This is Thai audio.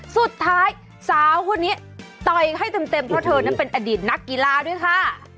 สาวคนนี้ต่อยให้เต็มเพราะเธอนั้นเป็นอดีตนักกีฬาด้วยค่ะ